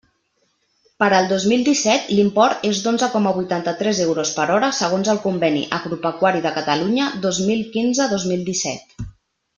Per al dos mil disset, l'import és d'onze coma vuitanta-tres euros per hora segons el Conveni agropecuari de Catalunya dos mil quinze-dos mil disset.